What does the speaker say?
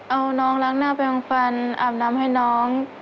เอาน้องล้างหน้าไปของฟันอาบน้ำให้น้อง